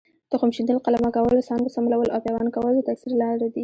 تخم شیندل، قلمه کول، څانګو څملول او پیوند کول د تکثیر لارې دي.